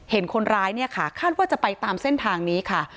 เห็นคนร้ายเนี่ยค่ะคาดว่าจะไปตามเส้นทางนี้ค่ะ